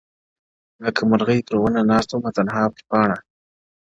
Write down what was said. لكه مرغۍ پر ونه ناسته وي تنهــا پــر پـــــــاڼـــــــه،